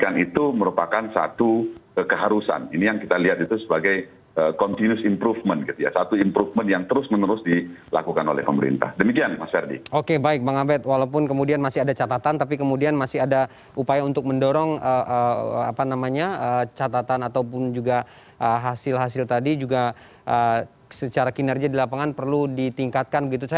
nah kemudian semoga hasil tadi juga secara kinerja di lapangan perlu ditingkatkan begitu